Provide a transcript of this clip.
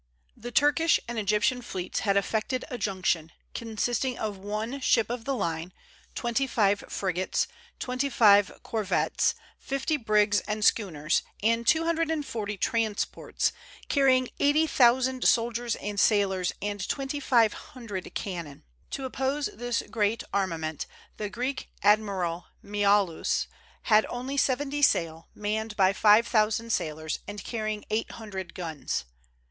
The Turkish and Egyptian fleets had effected a junction, consisting of one ship of the line, twenty five frigates, twenty five corvettes, fifty brigs and schooners, and two hundred and forty transports, carrying eighty thousand soldiers and sailors and twenty five hundred cannon. To oppose this great armament, the Greek admiral Miaulis had only seventy sail, manned by five thousand sailors and carrying eight hundred guns.